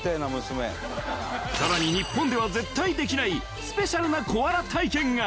さらに日本では絶対できないスペシャルなコアラ体験が